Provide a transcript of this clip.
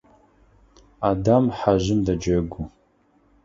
Адам хьэжъым дэджэгу.